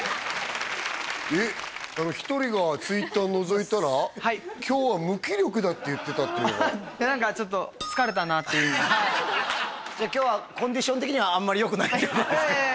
えっひとりがＴｗｉｔｔｅｒのぞいたら今日は無気力だって言ってたっていうのは何かちょっと疲れたなっていう今日はコンディション的にはあんまりよくないってことですか？